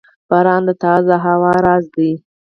• باران د تازه هوا راز دی.